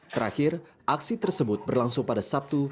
terakhir aksi tersebut berlangsung pada sabtu